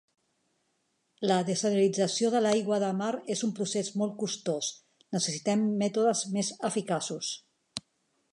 La dessalinització de l'aigua de mar és un procés molt costós. Necessitem mètodes més eficaços.